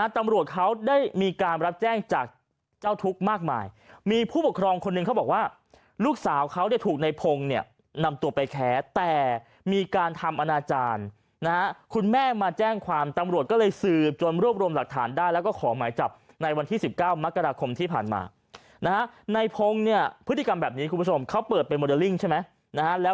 ตำรวจเขาได้มีการรับแจ้งจากเจ้าทุกข์มากมายมีผู้ปกครองคนหนึ่งเขาบอกว่าลูกสาวเขาเนี่ยถูกในพงศ์เนี่ยนำตัวไปแค้แต่มีการทำอาณาจารย์นะฮะคุณแม่มาแจ้งความตำรวจก็เลยสืบจนรวบรวมหลักฐานได้แล้วก็ขอหมายจับในวันที่สิบเก้ามักราคมที่ผ่านมานะฮะในพงศ์เนี่ยพฤติกรรมแ